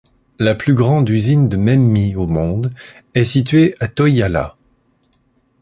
La plus grande usine de mämmi au monde est située à Toijala.